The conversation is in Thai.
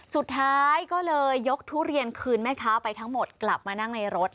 สุดท้ายก็เลยยกทุเรียนคืนแม่ค้าไปทั้งหมดกลับมานั่งในรถ